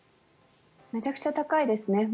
むちゃくちゃ高いですね。